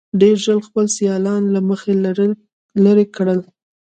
ډېر ژر خپل سیالان له مخې لرې کړل.